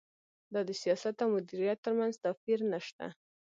دا د سیاست او مدیریت ترمنځ توپیر نشته.